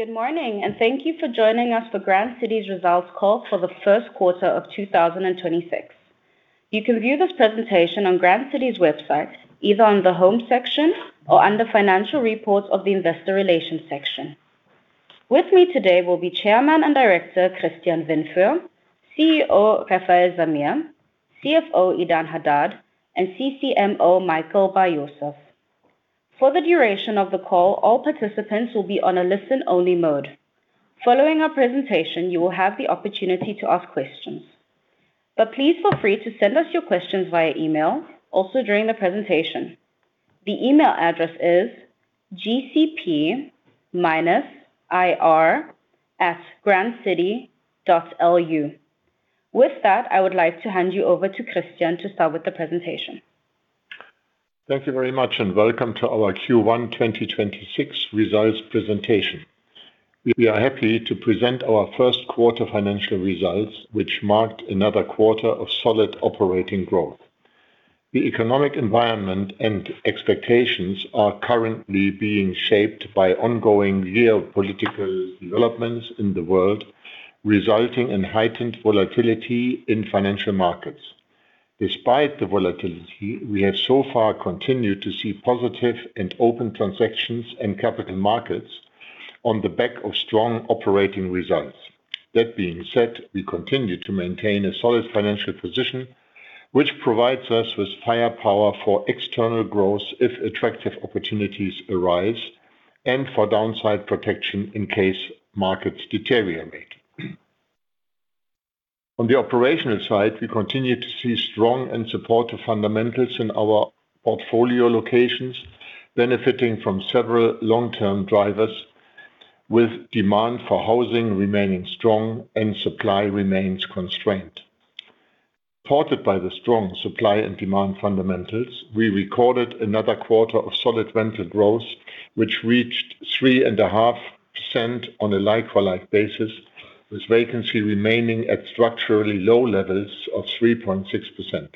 Good morning, thank you for joining us for Grand City's results call for the first quarter of 2026. You can view this presentation on Grand City's website, either on the home section or under financial reports of the investor relations section. With me today will be Chairman and Director Christian Windfuhr, CEO Refael Zamir, CFO Idan Hadad, and CCMO Michael Bar-Yosef. For the duration of the call, all participants will be on a listen-only mode. Following our presentation, you will have the opportunity to ask questions. Please feel free to send us your questions via email also during the presentation. The email address is gcp-ir@grandcity.lu. With that, I would like to hand you over to Christian to start with the presentation. Thank you very much. Welcome to our Q1 2026 results presentation. We are happy to present our first quarter financial results, which marked another quarter of solid operating growth. The economic environment and expectations are currently being shaped by ongoing geopolitical developments in the world, resulting in heightened volatility in financial markets. Despite the volatility, we have so far continued to see positive and open transactions in capital markets on the back of strong operating results. That being said, we continue to maintain a solid financial position, which provides us with firepower for external growth if attractive opportunities arise, and for downside protection in case markets deteriorate. On the operational side, we continue to see strong and supportive fundamentals in our portfolio locations, benefiting from several long-term drivers, with demand for housing remaining strong. Supply remains constrained. Supported by the strong supply and demand fundamentals, we recorded another quarter of solid rental growth, which reached 3.5% on a like-for-like basis, with vacancy remaining at structurally low levels of 3.6%.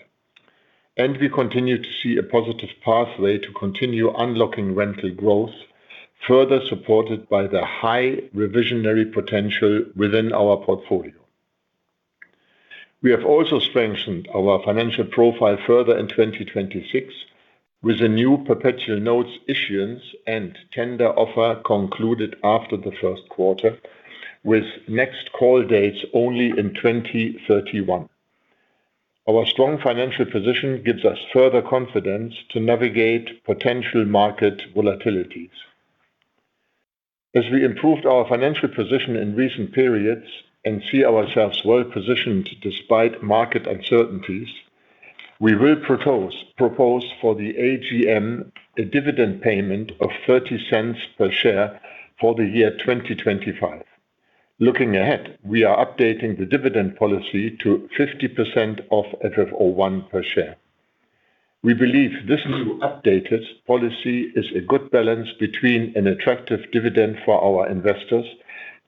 We continue to see a positive pathway to continue unlocking rental growth, further supported by the high revisionary potential within our portfolio. We have also strengthened our financial profile further in 2026 with the new perpetual notes issuance and tender offer concluded after the first quarter, with next call dates only in 2031. Our strong financial position gives us further confidence to navigate potential market volatilities. As we improved our financial position in recent periods and see ourselves well positioned despite market uncertainties, we will propose for the AGM a dividend payment of 0.30 per share for the year 2025. Looking ahead, we are updating the dividend policy to 50% of FFO I per share. We believe this new updated policy is a good balance between an attractive dividend for our investors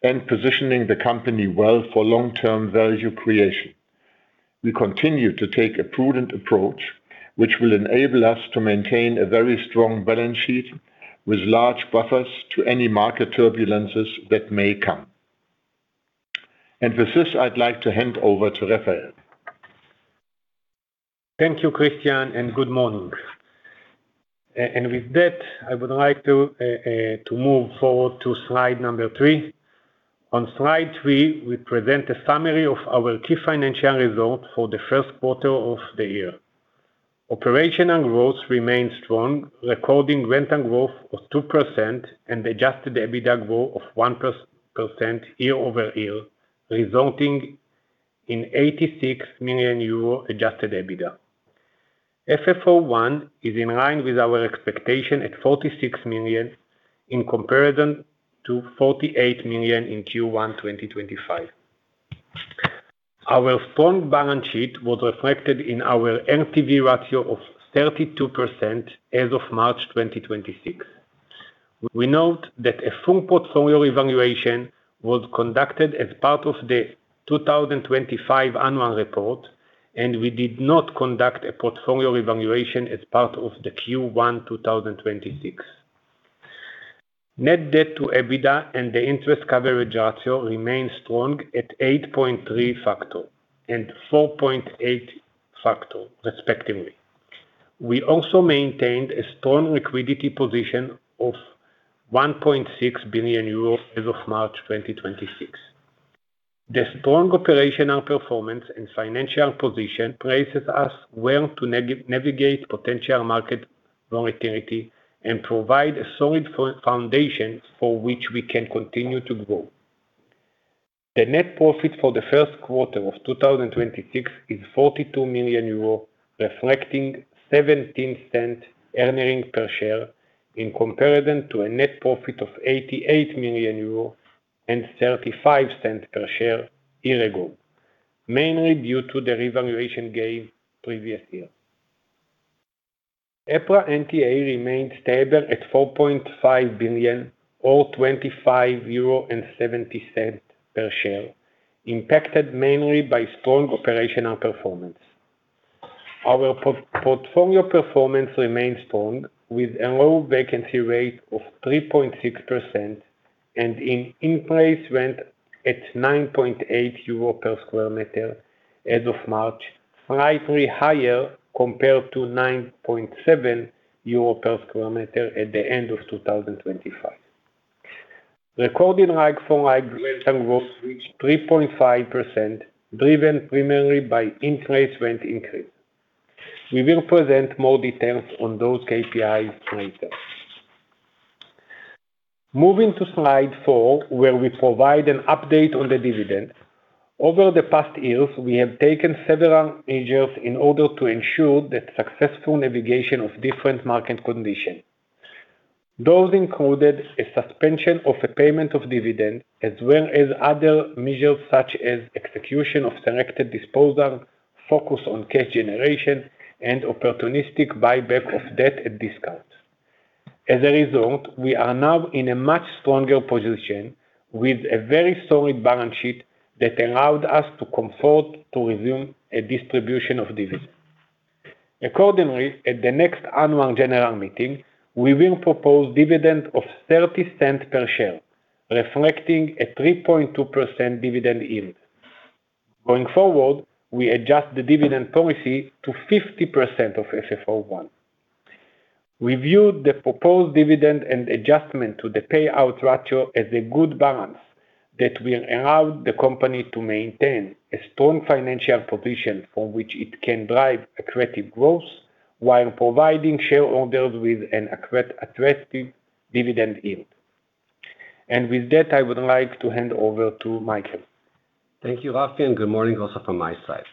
and positioning the company well for long-term value creation. We continue to take a prudent approach, which will enable us to maintain a very strong balance sheet with large buffers to any market turbulences that may come. With this, I'd like to hand over to Refael. Thank you, Christian, and good morning. With that, I would like to move forward to slide number three. On slide three, we present a summary of our key financial results for the first quarter of the year. Operational growth remained strong, recording rental growth of 2% and adjusted EBITDA growth of 1% year-over-year, resulting in 86 million euro adjusted EBITDA. FFO I is in line with our expectation at 46 million, in comparison to 48 million in Q1 2025. Our strong balance sheet was reflected in our LTV ratio of 32% as of March 2026. We note that a full portfolio evaluation was conducted as part of the 2025 annual report, and we did not conduct a portfolio evaluation as part of the Q1 2026. Net debt to EBITDA and the interest coverage ratio remain strong at 8.3 factor and 4.8 factor, respectively. We also maintained a strong liquidity position of 1.6 billion euros as of March 2026. The strong operational performance and financial position places us well to navigate potential market volatility and provide a solid foundation for which we can continue to grow. The net profit for the first quarter of 2026 is 42 million euro, reflecting 0.17 earning per share in comparison to a net profit of 88 million euro and 0.35 per share year-ago, mainly due to the revaluation gain previous year. EPRA NTA remained stable at 4.5 billion or 25.70 euro per share, impacted mainly by strong operational performance. Our portfolio performance remains strong with a low vacancy rate of 3.6% and an in-place rent at 9.8 euro per square meter as of March, slightly higher compared to 9.7 euro per square meter at the end of 2025. Recorded like-for-like rental growth reached 3.5%, driven primarily by in-place rent increase. We will present more details on those KPIs later. Moving to slide four, where we provide an update on the dividend. Over the past years, we have taken several measures in order to ensure the successful navigation of different market conditions. Those included a suspension of a payment of dividend as well as other measures such as execution of selected disposals, focus on cash generation, and opportunistic buyback of debt at discounts. As a result, we are now in a much stronger position with a very solid balance sheet that allowed us to comfort to resume a distribution of dividend. Accordingly, at the next Annual General Meeting, we will propose dividend of 0.30 per share, reflecting a 3.2% dividend yield. Going forward, we adjust the dividend policy to 50% of FFO I. We view the proposed dividend and adjustment to the payout ratio as a good balance that will allow the company to maintain a strong financial position from which it can drive accretive growth while providing shareholders with an attractive dividend yield. With that, I would like to hand over to Michael. Thank you, Rafi. Good morning also from my side.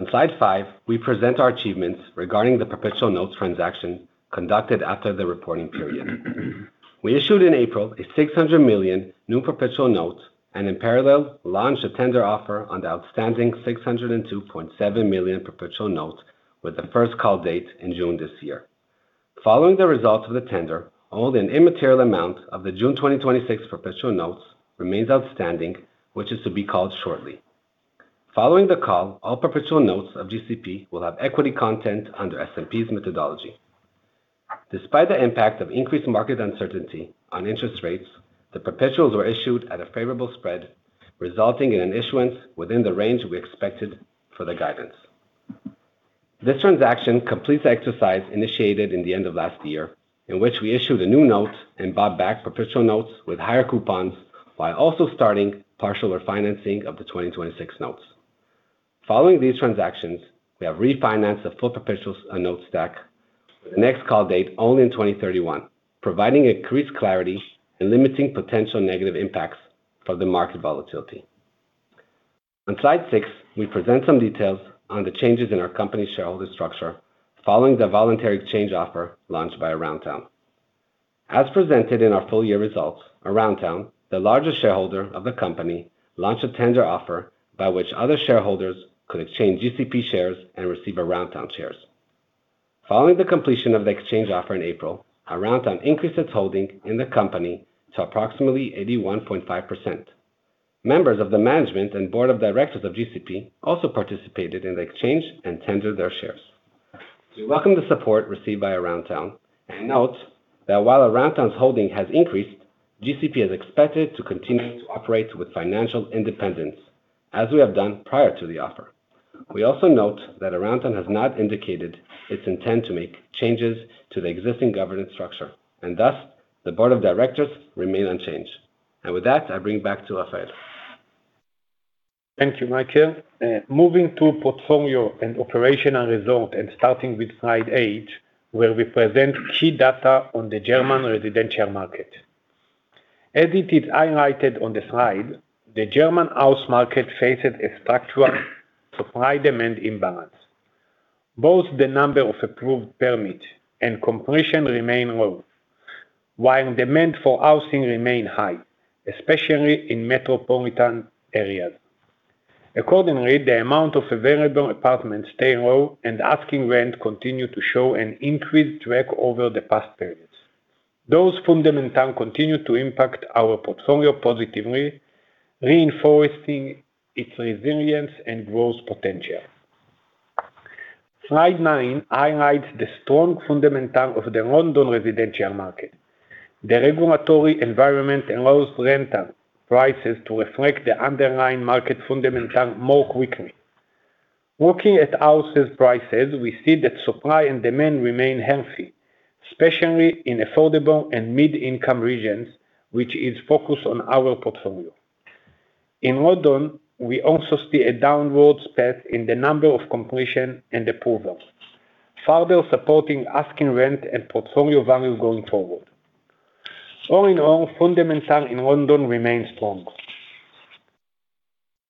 On slide five, we present our achievements regarding the perpetual notes transaction conducted after the reporting period. We issued in April a 600 million new perpetual note, and in parallel, launched a tender offer on the outstanding 602.7 million perpetual note with the first call date in June this year. Following the results of the tender, only an immaterial amount of the June 2026 perpetual notes remains outstanding, which is to be called shortly. Following the call, all perpetual notes of GCP will have equity content under S&P's methodology. Despite the impact of increased market uncertainty on interest rates, the perpetuals were issued at a favorable spread, resulting in an issuance within the range we expected for the guidance. This transaction completes the exercise initiated in the end of last year, in which we issued a new note and bought back perpetual notes with higher coupons while also starting partial refinancing of the 2026 notes. Following these transactions, we have refinanced the full perpetual notes stack with the next call date only in 2031, providing increased clarity and limiting potential negative impacts from the market volatility. On slide six, we present some details on the changes in our company's shareholder structure following the voluntary exchange offer launched by Aroundtown. As presented in our full-year results, Aroundtown, the largest shareholder of the company, launched a tender offer by which other shareholders could exchange GCP shares and receive Aroundtown shares. Following the completion of the exchange offer in April, Aroundtown increased its holding in the company to approximately 81.5%. Members of the management and Board of Directors of GCP also participated in the exchange and tendered their shares. We welcome the support received by Aroundtown and note that while Aroundtown's holding has increased, GCP is expected to continue to operate with financial independence, as we have done prior to the offer. We also note that Aroundtown has not indicated its intent to make changes to the existing governance structure, and thus, the Board of Directors remain unchanged. With that, I bring back to Refael. Thank you, Michael. Moving to portfolio and operational results, and starting with slide eight, where we present key data on the German residential market. As it is highlighted on the slide, the German house market faces a structural supply-demand imbalance. Both the number of approved permits and completion remain low, while demand for housing remain high, especially in metropolitan areas. Accordingly, the amount of available apartments stay low, and asking rent continue to show an increased track over the past periods. Those fundamentals continue to impact our portfolio positively, reinforcing its resilience and growth potential. Slide nine highlights the strong fundamentals of the London residential market. The regulatory environment allows rental prices to reflect the underlying market fundamentals more quickly. Looking at houses prices, we see that supply and demand remain healthy, especially in affordable and mid-income regions, which is focused on our portfolio. In London, we also see a downward path in the number of completion and approvals, further supporting asking rent and portfolio value going forward. All in all, fundamentals in London remain strong.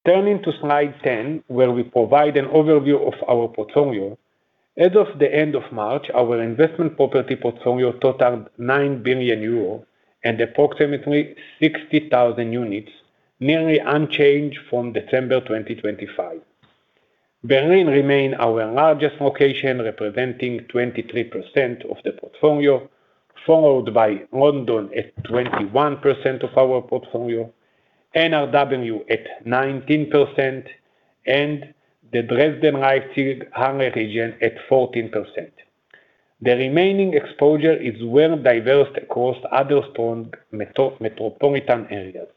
Turning to slide 10, where we provide an overview of our portfolio. As of the end of March, our investment property portfolio totaled 9 billion euro and approximately 60,000 units, nearly unchanged from December 2025. Berlin remained our largest location, representing 23% of the portfolio, followed by London at 21% of our portfolio. NRW at 19%, and the Dresden/Leipzig/Halle region at 14%. The remaining exposure is well diversed across other strong metropolitan areas.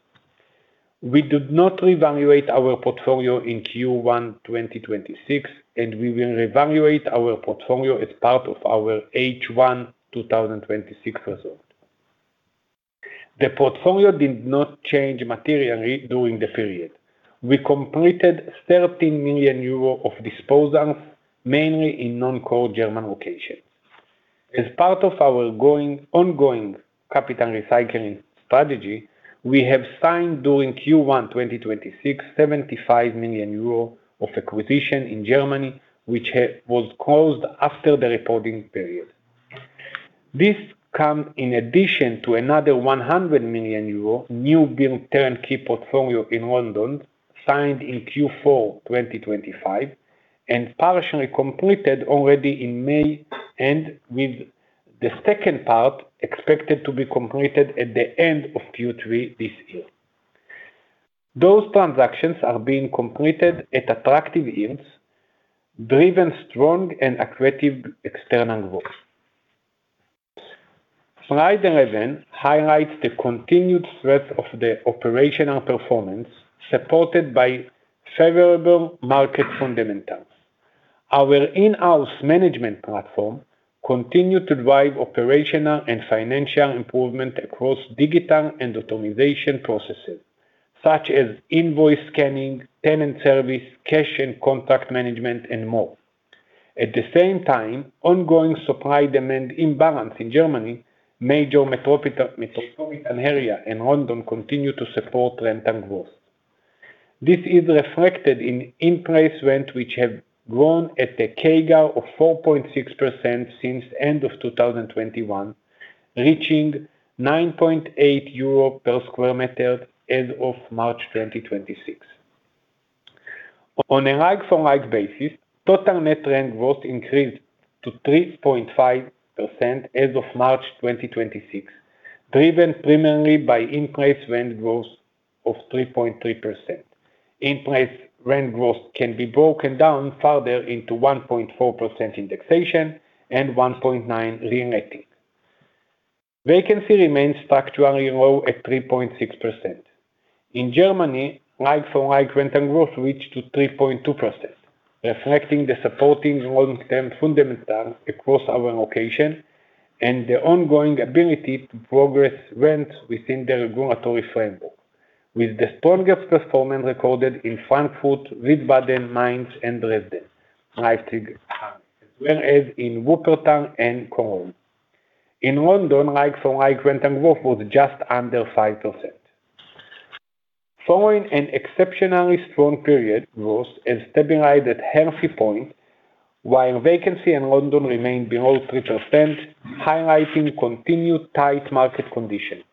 We did not reevaluate our portfolio in Q1 2026, and we will reevaluate our portfolio as part of our H1 2026 results. The portfolio did not change materially during the period. We completed 13 million euro of disposals, mainly in non-core German locations. As part of our ongoing capital recycling strategy, we have signed during Q1 2026, 75 million euro of acquisition in Germany, which was closed after the reporting period. This comes in addition to another 100 million euro new build turnkey portfolio in London, signed in Q4 2025, and partially completed already in May, and with the second part expected to be completed at the end of Q3 this year. Those transactions are being completed at attractive yields, driven strong and accretive external growth. Slide 11 highlights the continued strength of the operational performance, supported by favorable market fundamentals. Our in-house management platform continued to drive operational and financial improvement across digital and automation processes, such as invoice scanning, tenant service, cash and contract management, and more. At the same time, ongoing supply-demand imbalance in Germany, major metropolitan area, and London continue to support rental growth. This is reflected in in-place rent, which have grown at a CAGR of 4.6% since end of 2021, reaching 9.8 euro per square meter as of March 2026. On a like-for-like basis, total net rent growth increased to 3.5% as of March 2026, driven primarily by in-place rent growth of 3.3%. In-place rent growth can be broken down further into 1.4% indexation and 1.9% reletting. Vacancy remains structurally low at 3.6%. In Germany, like-for-like rental growth reached to 3.2%, reflecting the supporting long-term fundamentals across our location, and the ongoing ability to progress rent within the regulatory framework. With the strongest performance recorded in Frankfurt, Wiesbaden, Mainz, and Dresden/Leipzig/Halle, as well as in Wuppertal and Cologne. In London, like-for-like rental growth was just under 5%. Following an exceptionally strong period, growth has stabilized at healthy points, while vacancy in London remained below 3%, highlighting continued tight market conditions.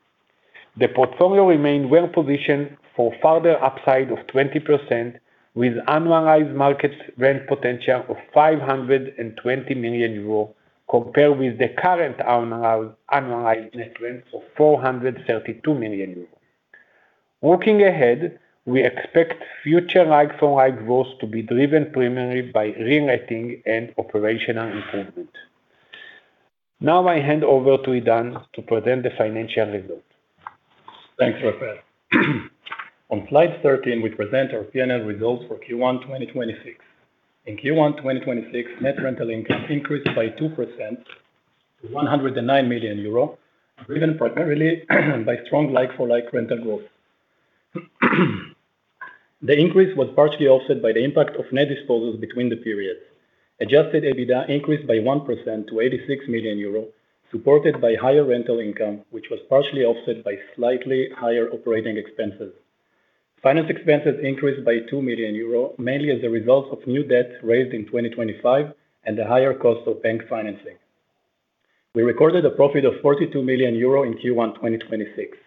The portfolio remained well positioned for further upside of 20%, with annualized market rent potential of 520 million euro, compared with the current annualized net rent of 432 million euro. Looking ahead, we expect future like-for-like growth to be driven primarily by reletting and operational improvement. Now I hand over to Idan to present the financial results. Thanks, Refael. On slide 13, we present our P&L results for Q1 2026. In Q1 2026, net rental income increased by 2% to 109 million euro, driven primarily by strong like-for-like rental growth. The increase was partially offset by the impact of net disposals between the periods. Adjusted EBITDA increased by 1% to 86 million euro, supported by higher rental income, which was partially offset by slightly higher operating expenses. Finance expenses increased by 2 million euros, mainly as a result of new debt raised in 2025 and the higher cost of bank financing. We recorded a profit of 42 million euro in Q1 2026.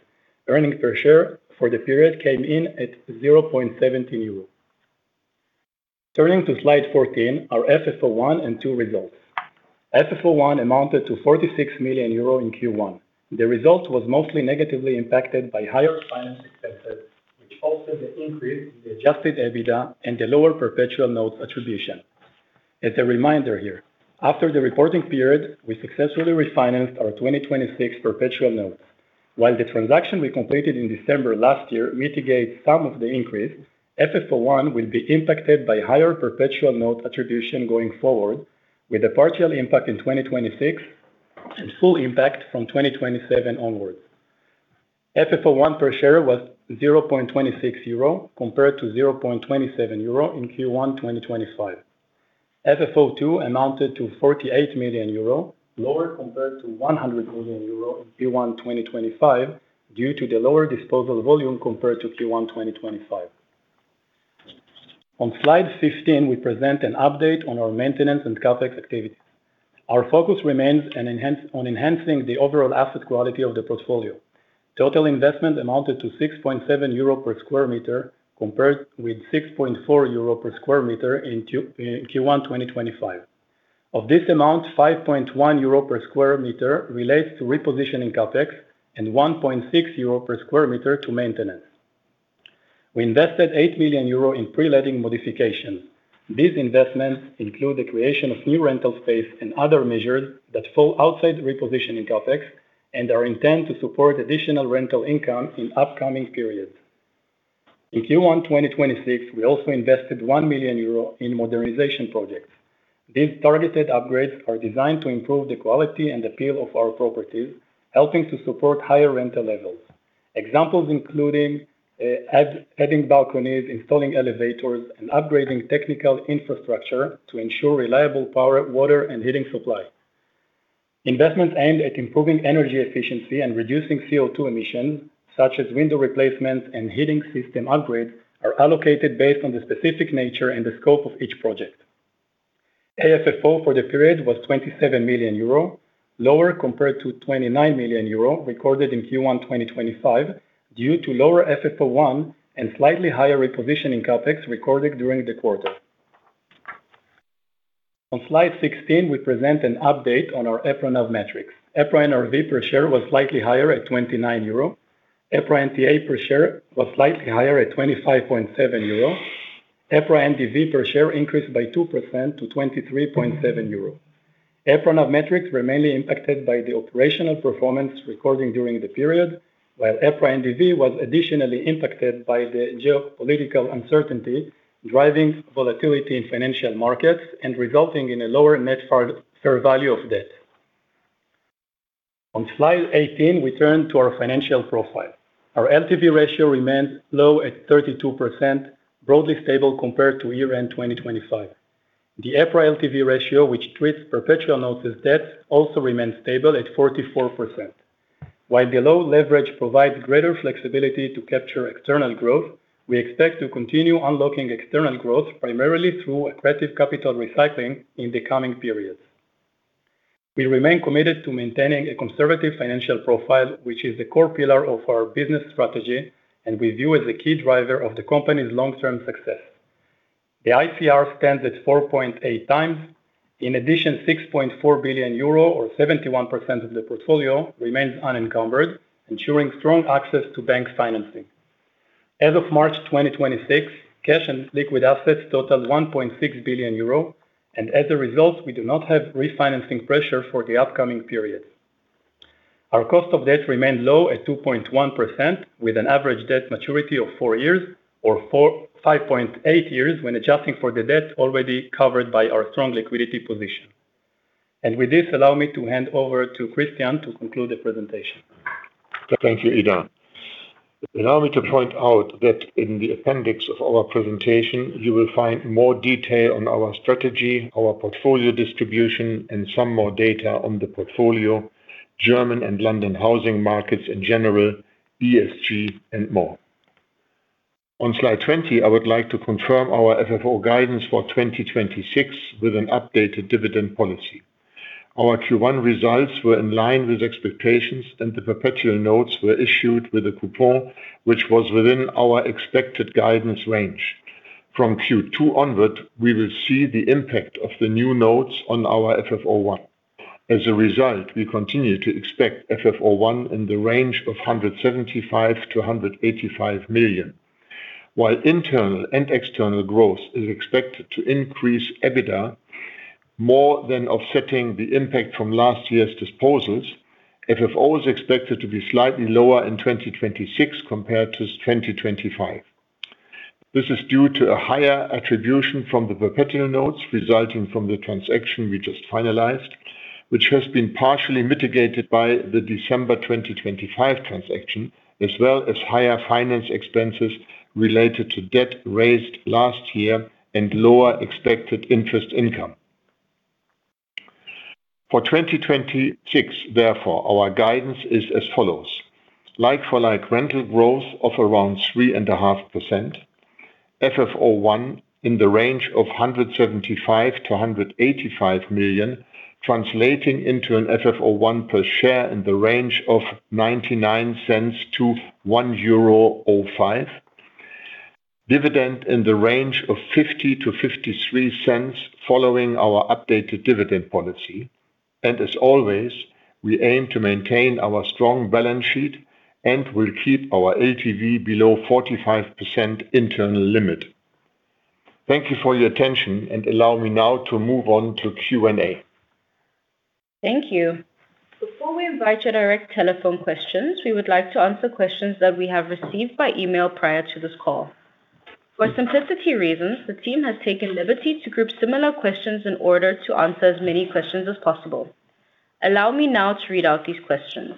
Earnings per share for the period came in at 0.17 euro. Turning to slide 14, our FFO I and FFO II results. FFO I amounted to 46 million euro in Q1. The result was mostly negatively impacted by higher finance expenses, which offset the increase in the adjusted EBITDA and the lower perpetual note attribution. As a reminder here, after the reporting period, we successfully refinanced our 2026 perpetual notes. While the transaction we completed in December last year mitigates some of the increase, FFO I will be impacted by higher perpetual note attribution going forward, with a partial impact in 2026 and full impact from 2027 onwards. FFO I per share was 0.26 euro, compared to 0.27 euro in Q1 2025. FFO II amounted to 48 million euro, lower compared to 100 million euro in Q1 2025 due to the lower disposal volume compared to Q1 2025. On slide 15, we present an update on our maintenance and CapEx activities. Our focus remains on enhancing the overall asset quality of the portfolio. Total investment amounted to 6.7 euro per square meter, compared with 6.4 euro per square meter in Q1 2025. Of this amount, 5.1 euro per square meter relates to repositioning CapEx and 1.6 euro per square meter to maintenance. We invested 8 million euro in pre-letting modifications. These investments include the creation of new rental space and other measures that fall outside repositioning CapEx and are intent to support additional rental income in upcoming periods. In Q1 2026, we also invested 1 million euro in modernization projects. These targeted upgrades are designed to improve the quality and appeal of our properties, helping to support higher rental levels. Examples including adding balconies, installing elevators, and upgrading technical infrastructure to ensure reliable power, water, and heating supply. Investments aimed at improving energy efficiency and reducing CO2 emissions, such as window replacements and heating system upgrades, are allocated based on the specific nature and the scope of each project. AFFO for the period was 27 million euro. Lower compared to 29 million euro recorded in Q1 2025 due to lower FFO I and slightly higher repositioning CapEx recorded during the quarter. On slide 16, we present an update on our EPRA NAV metrics. EPRA NRV per share was slightly higher at 29 euro. EPRA NTA per share was slightly higher at 25.70 euro. EPRA NDV per share increased by 2% to 23.70 euro. EPRA NAV metrics were mainly impacted by the operational performance recording during the period, while EPRA NDV was additionally impacted by the geopolitical uncertainty, driving volatility in financial markets and resulting in a lower net fair value of debt. On slide 18, we turn to our financial profile. Our LTV ratio remains low at 32%, broadly stable compared to year end 2025. The EPRA LTV ratio, which treats perpetual notes as debt, also remains stable at 44%. While the low leverage provides greater flexibility to capture external growth, we expect to continue unlocking external growth primarily through aggressive capital recycling in the coming periods. We remain committed to maintaining a conservative financial profile, which is a core pillar of our business strategy, and we view as a key driver of the company's long-term success. The ICR stands at 4.8x. In addition, 6.4 billion euro or 71% of the portfolio remains unencumbered, ensuring strong access to banks financing. As of March 2026, cash and liquid assets totaled 1.6 billion euro, and as a result, we do not have refinancing pressure for the upcoming periods. Our cost of debt remained low at 2.1%, with an average debt maturity of four years or 5.8 years when adjusting for the debt already covered by our strong liquidity position. With this, allow me to hand over to Christian to conclude the presentation. Thank you, Idan. Allow me to point out that in the appendix of our presentation, you will find more detail on our strategy, our portfolio distribution, and some more data on the portfolio, German and London housing markets in general, ESG and more. On slide 20, I would like to confirm our FFO guidance for 2026 with an updated dividend policy. Our Q1 results were in line with expectations, and the perpetual notes were issued with a coupon which was within our expected guidance range. From Q2 onward, we will see the impact of the new notes on our FFO I. As a result, we continue to expect FFO I in the range of 175 million-185 million. While internal and external growth is expected to increase EBITDA, more than offsetting the impact from last year's disposals, FFO is expected to be slightly lower in 2026 compared to 2025. This is due to a higher attribution from the perpetual notes resulting from the transaction we just finalized, which has been partially mitigated by the December 2025 transaction, as well as higher finance expenses related to debt raised last year and lower expected interest income. For 2026, therefore, our guidance is as follows. Like-for-like rental growth of around 3.5%, FFO I in the range of 175 million-185 million, translating into an FFO I per share in the range of 0.99-1.05 euro. Dividend in the range of 0.50-0.53 following our updated dividend policy. As always, we aim to maintain our strong balance sheet and will keep our LTV below 45% internal limit. Thank you for your attention, and allow me now to move on to Q&A. Thank you. Before we invite your direct telephone questions, we would like to answer questions that we have received by email prior to this call. For simplicity reasons, the team has taken liberty to group similar questions in order to answer as many questions as possible. Allow me now to read out these questions.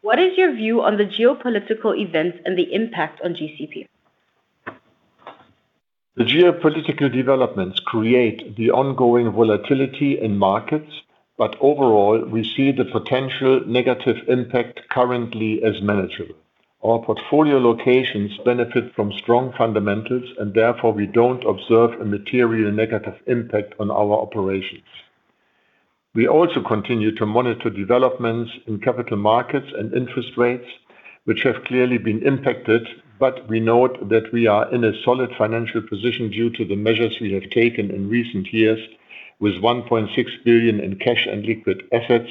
What is your view on the geopolitical events and the impact on GCP? The geopolitical developments create the ongoing volatility in markets, but overall, we see the potential negative impact currently as manageable. Our portfolio locations benefit from strong fundamentals, and therefore, we don't observe a material negative impact on our operations. We also continue to monitor developments in capital markets and interest rates, which have clearly been impacted, but we note that we are in a solid financial position due to the measures we have taken in recent years with 1.6 billion in cash and liquid assets,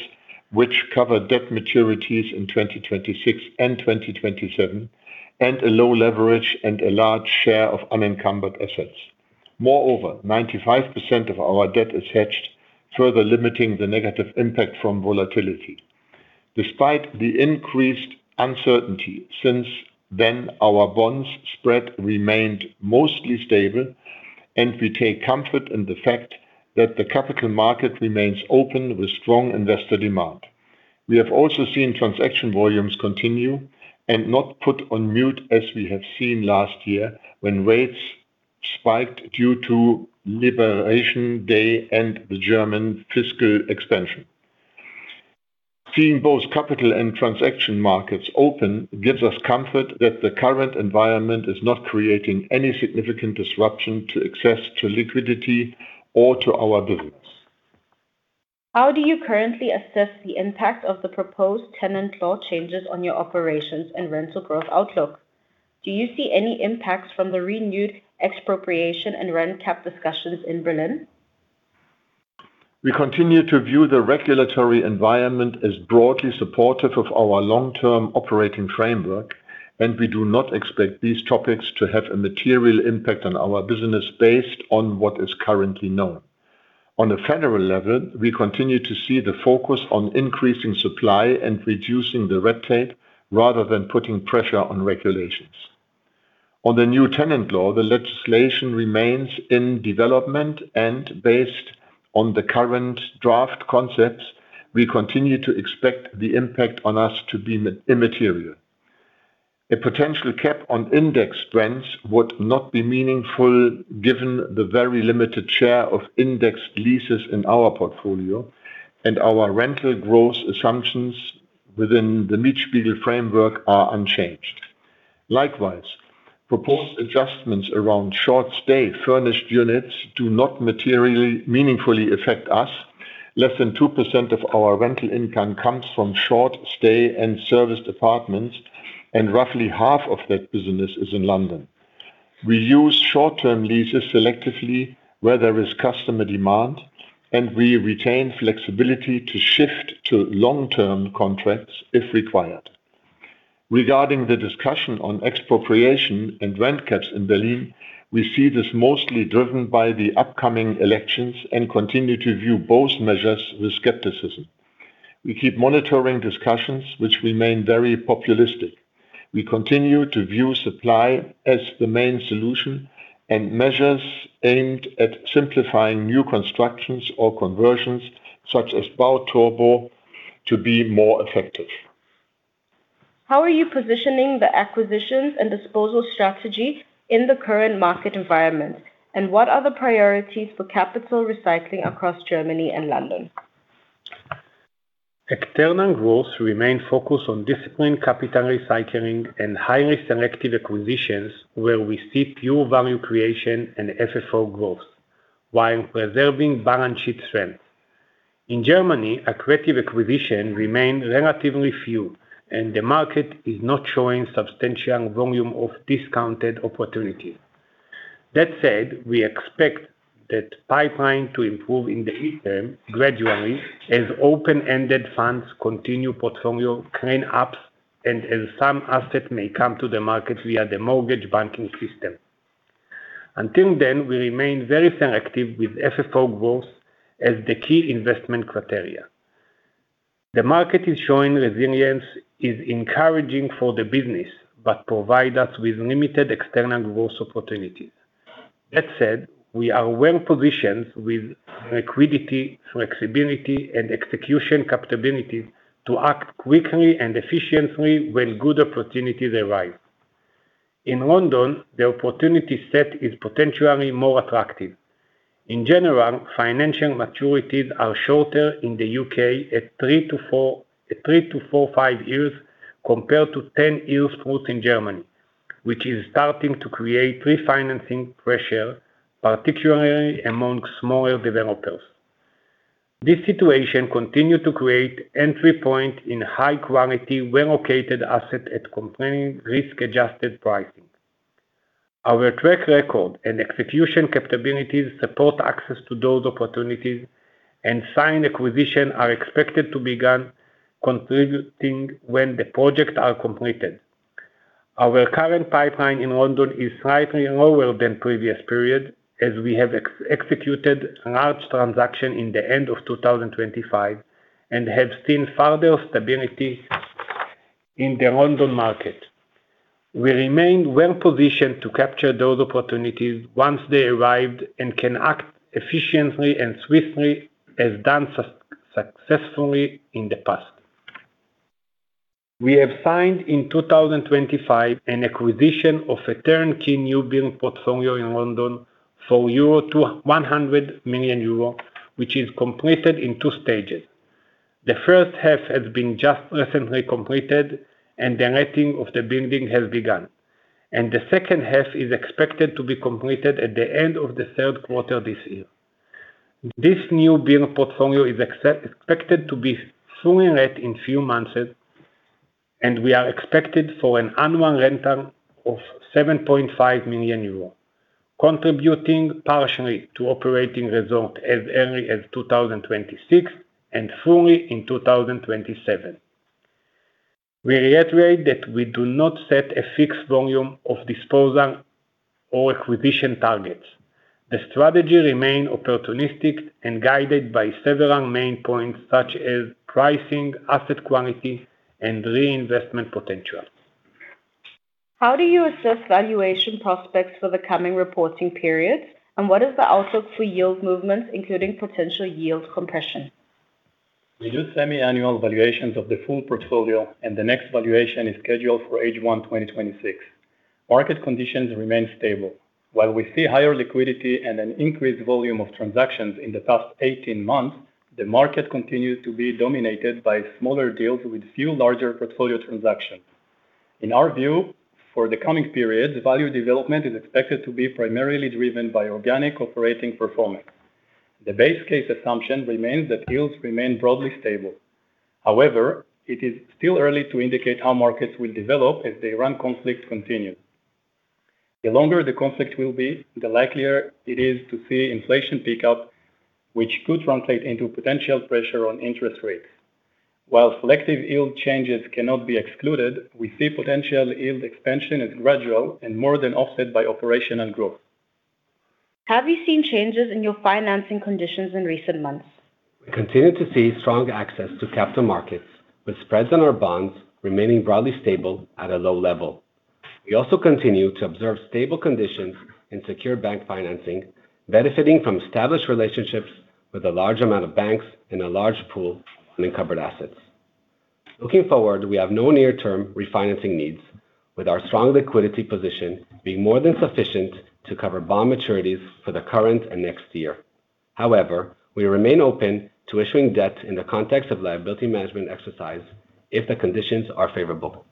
which cover debt maturities in 2026 and 2027, and a low leverage and a large share of unencumbered assets. Moreover, 95% of our debt is hedged, further limiting the negative impact from volatility. Despite the increased uncertainty, since then, our bonds spread remained mostly stable, and we take comfort in the fact that the capital market remains open with strong investor demand. We have also seen transaction volumes continue and not put on mute as we have seen last year when rates spiked due to Liberation Day and the German fiscal expansion. Seeing both capital and transaction markets open gives us comfort that the current environment is not creating any significant disruption to access to liquidity or to our business. How do you currently assess the impact of the proposed tenant law changes on your operations and rental growth outlook? Do you see any impacts from the renewed expropriation and rent cap discussions in Berlin? We continue to view the regulatory environment as broadly supportive of our long-term operating framework. We do not expect these topics to have a material impact on our business based on what is currently known. On a federal level, we continue to see the focus on increasing supply and reducing the red tape rather than putting pressure on regulations. On the new tenant law, the legislation remains in development and based on the current draft concepts, we continue to expect the impact on us to be immaterial. A potential cap on indexed rents would not be meaningful given the very limited share of indexed leases in our portfolio, and our rental growth assumptions within the Mietspiegel framework are unchanged. Likewise, proposed adjustments around short stay furnished units do not meaningfully affect us. Less than 2% of our rental income comes from short stay and serviced apartments. Roughly half of that business is in London. We use short-term leases selectively where there is customer demand. We retain flexibility to shift to long-term contracts if required. Regarding the discussion on expropriation and rent caps in Berlin, we see this mostly driven by the upcoming elections and continue to view both measures with skepticism. We keep monitoring discussions, which remain very populistic. We continue to view supply as the main solution and measures aimed at simplifying new constructions or conversions such as Bau-Turbo to be more effective. How are you positioning the acquisitions and disposal strategy in the current market environment? What are the priorities for capital recycling across Germany and London? External growth remain focused on disciplined capital recycling and highly selective acquisitions, where we see pure value creation and FFO growth, while preserving balance sheet strength. In Germany, accretive acquisition remained relatively few. The market is not showing substantial volume of discounted opportunities. That said, we expect that pipeline to improve in the medium term gradually as open-ended funds continue portfolio cleanups and as some asset may come to the market via the mortgage banking system. Until then, we remain very selective with FFO growth as the key investment criteria. The market is showing resilience, is encouraging for the business, but provide us with limited external growth opportunities. That said, we are well positioned with liquidity, flexibility, and execution capabilities to act quickly and efficiently when good opportunities arise. In London, the opportunity set is potentially more attractive. In general, financial maturities are shorter in the U.K. at three to four, five years compared to 10 years in Germany, which is starting to create refinancing pressure, particularly among smaller developers. This situation continue to create entry point in high-quality, well-located asset at compelling risk-adjusted pricing. Our track record and execution capabilities support access to those opportunities and signed acquisition are expected to begin contributing when the projects are completed. Our current pipeline in London is slightly lower than previous period, as we have executed large transaction in the end of 2025 and have seen further stability in the London market. We remain well positioned to capture those opportunities once they arrived and can act efficiently and swiftly, as done successfully in the past. We have signed in 2025 an acquisition of a turnkey new build portfolio in London for 100 million euro, which is completed in two stages. The first half has been just recently completed, and the letting of the building has begun. The second half is expected to be completed at the end of the third quarter this year. This new build portfolio is expected to be fully let in few months, and we are expected for an annual rental of 7.5 million euros, contributing partially to operating result as early as 2026 and fully in 2027. We reiterate that we do not set a fixed volume of disposal or acquisition targets. The strategy remain opportunistic and guided by several main points such as pricing, asset quality, and reinvestment potential. How do you assess valuation prospects for the coming reporting periods, and what is the outlook for yield movements, including potential yield compression? We do semi-annual valuations of the full portfolio, and the next valuation is scheduled for H1 2026. Market conditions remain stable. While we see higher liquidity and an increased volume of transactions in the past 18 months, the market continues to be dominated by smaller deals with few larger portfolio transactions. In our view, for the coming period, value development is expected to be primarily driven by organic operating performance. The base case assumption remains that yields remain broadly stable. However, it is still early to indicate how markets will develop as the Iran conflict continues. The longer the conflict will be, the likelier it is to see inflation pick up, which could translate into potential pressure on interest rates. While selective yield changes cannot be excluded, we see potential yield expansion as gradual and more than offset by operational growth. Have you seen changes in your financing conditions in recent months? We continue to see strong access to capital markets, with spreads on our bonds remaining broadly stable at a low level. We also continue to observe stable conditions in secure bank financing, benefiting from established relationships with a large amount of banks and a large pool of unencumbered assets. Looking forward, we have no near-term refinancing needs, with our strong liquidity position being more than sufficient to cover bond maturities for the current and next year. However, we remain open to issuing debt in the context of liability management exercise if the conditions are favorable.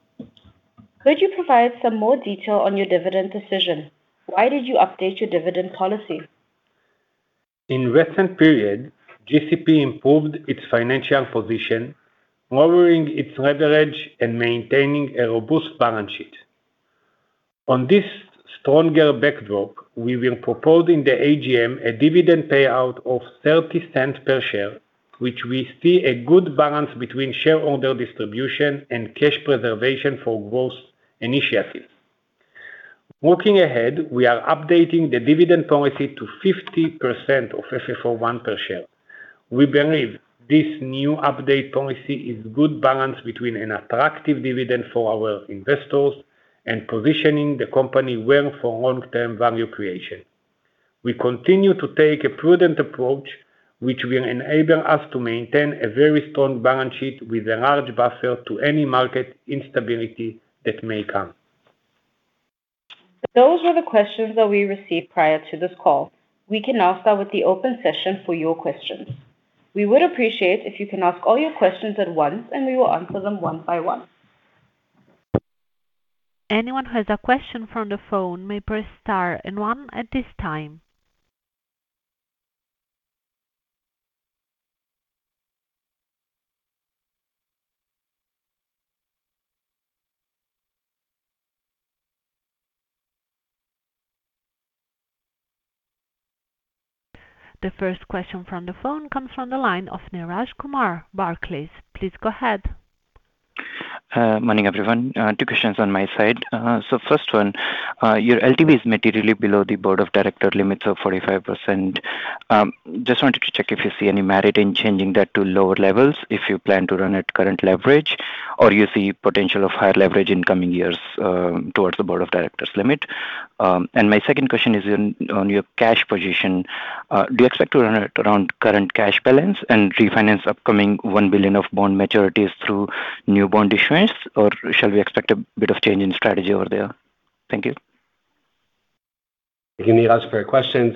Could you provide some more detail on your dividend decision? Why did you update your dividend policy? In recent period, GCP improved its financial position, lowering its leverage and maintaining a robust balance sheet. On this stronger backdrop, we will propose in the AGM a dividend payout of 0.30 per share, which we see a good balance between shareholder distribution and cash preservation for growth initiatives. Looking ahead, we are updating the dividend policy to 50% of FFO I per share. We believe this new update policy is good balance between an attractive dividend for our investors and positioning the company well for long-term value creation. We continue to take a prudent approach, which will enable us to maintain a very strong balance sheet with a large buffer to any market instability that may come. Those were the questions that we received prior to this call. We can now start with the open session for your questions. We would appreciate if you can ask all your questions at once, and we will answer them one by one. Anyone who has a question from the phone may press star and one at this time. The first question from the phone comes from the line of Neeraj Kumar, Barclays. Please go ahead. Morning, everyone. Two questions on my side. First one, your LTV is materially below the Board of Directors limits of 45%. Just wanted to check if you see any merit in changing that to lower levels if you plan to run at current leverage, or you see potential of higher leverage in coming years towards the Board of Directors limit. My second question is on your cash position. Do you expect to run at around current cash balance and refinance upcoming 1 billion of bond maturities through new bond issuance, or shall we expect a bit of change in strategy over there? Thank you. Thank you, Neeraj, for your questions.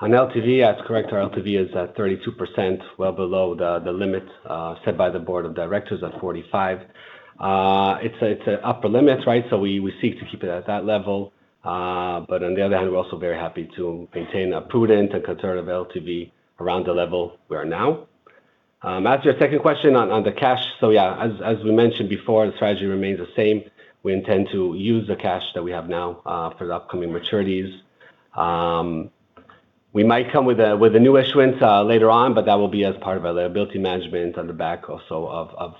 On LTV, that's correct. Our LTV is at 32%, well below the limit set by the Board of Directors of 45%. It's an upper limit, we seek to keep it at that level. On the other hand, we're also very happy to maintain a prudent and conservative LTV around the level we are now. As to your second question on the cash. Yeah, as we mentioned before, the strategy remains the same. We intend to use the cash that we have now for the upcoming maturities. We might come with a new issuance later on, but that will be as part of our liability management on the back also of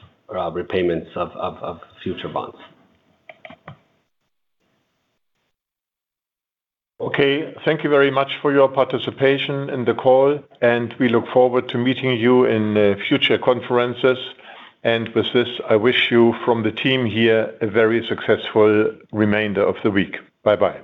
repayments of future bonds. Okay, thank you very much for your participation in the call. We look forward to meeting you in future conferences. With this, I wish you from the team here a very successful remainder of the week. Bye-bye.